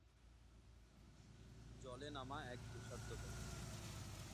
জলে নামা এক দুঃসাধ্য ব্যাপার।